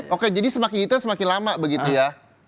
oke jadi semakin detail semakin lama begitu ya